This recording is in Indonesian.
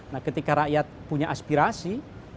nah ketika rakyat punya aspirasi